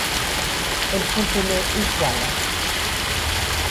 Elle contenait étoiles.